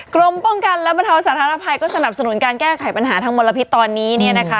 กรมป้องกันและบรรเทาสาธารณภัยก็สนับสนุนการแก้ไขปัญหาทางมลพิษตอนนี้เนี่ยนะคะ